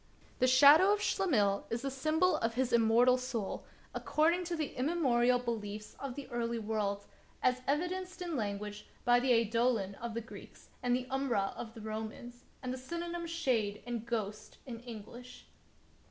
The shadow of Schlemihl is the symbol of his immortal soul, according to the immemorial beliefs of the early world, as evi denced in language by the eidolon of the Greeks, and the iimbra of the Romans, and the synonyms shade and ghost in English.